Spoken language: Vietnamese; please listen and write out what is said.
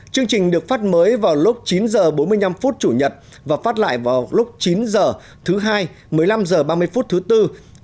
chương trình được phát mới vào lúc chín h bốn mươi năm chủ nhật và phát lại vào lúc chín h thứ hai một mươi năm h ba mươi phút thứ tư